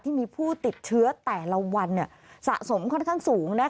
ที่มีผู้ติดเชื้อแต่ละวันสะสมค่อนข้างสูง